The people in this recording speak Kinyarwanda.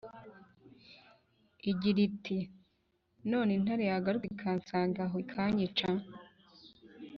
igira iti :"none intare yagaruka ikansanga aho ikanyica